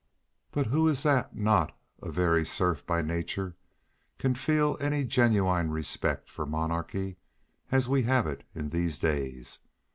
But who that is not a very serf by nature can feel any genuine respect for monarchy as we have it in these days?